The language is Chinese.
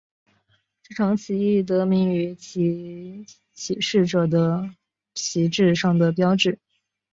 这场起义得名于其起事者的旗帜上的标志。